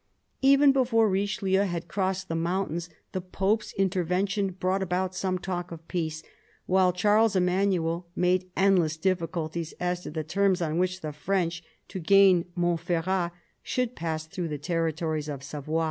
Even before Richelieu had crossed the mountains, the Pope's intervention brought about some talk of peace, while Charles Emmanuel made endless difficulties as to the terms on which the French, to gain Montferrat, should pass through the territories of Savoy.